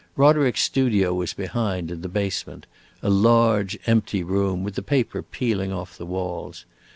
Roderick's studio was behind, in the basement; a large, empty room, with the paper peeling off the walls.